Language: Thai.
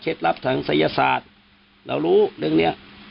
ลับทางศัยศาสตร์เรารู้เรื่องนี้